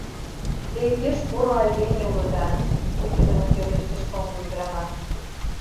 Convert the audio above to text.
— Те пеш поро айдеме улыда, — вучыдымын пелештыш шоҥго ӱдырамаш.